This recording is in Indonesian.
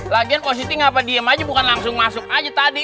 lagian positif apa diem aja bukan langsung masuk aja tadi